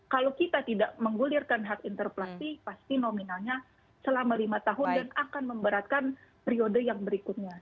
kalau kita tidak menggulirkan hak interpelasi pasti nominalnya selama lima tahun dan akan memberatkan periode yang berikutnya